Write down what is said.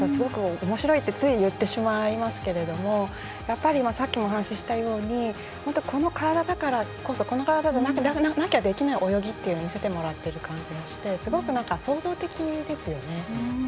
おもしろいってつい言ってしまいますけれども先ほどお話したようにこの体だからこそこの体じゃなきゃできない泳ぎというのを見せてもらっている感じがしてすごく創造的ですよね。